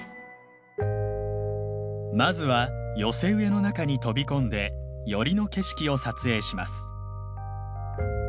まずは寄せ植えの中に飛び込んで寄りの景色を撮影します。